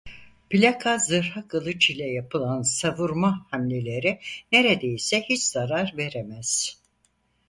Plaka zırha kılıç ile yapılan savurma hamleleri neredeyse hiç zarar veremez.